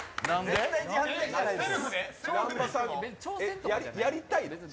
絶対自発的じゃないですよ。